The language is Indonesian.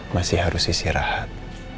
masih harus istirahat